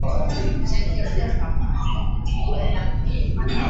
接近憲法法院的地位